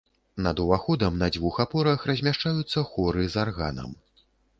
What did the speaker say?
Над уваходам на дзвюх апорах размяшчаюцца хоры з арганам.